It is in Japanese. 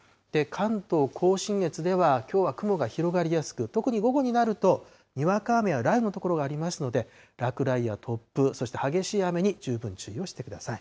関東甲信越ではきょうは雲が広がりやすく、特に午後になると、にわか雨や雷雨の所がありますので落雷や突風、そして激しい雨に十分注意をしてください。